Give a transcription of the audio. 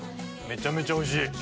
めちゃめちゃおいしい！